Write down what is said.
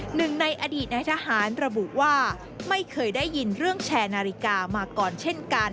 หนึ่งในอดีตในทหารระบุว่าไม่เคยได้ยินเรื่องแชร์นาฬิกามาก่อนเช่นกัน